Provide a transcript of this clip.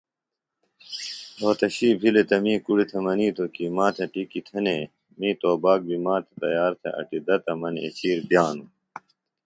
رھوتشی بِھلیۡ تہ می کُڑیۡ تھےۡ منِیتوۡ کیۡ ما تھےۡ ٹِکی تھنے، می توباک بیۡ ما تھےۡ تیار تھہ اٹیۡ دہ تہ مہ نیچِیر بِئانوۡ